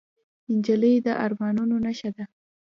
نجلۍ د ارمانونو نښه ده.